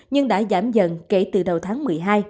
nhưng đã giảm dần kể từ đầu tháng một mươi hai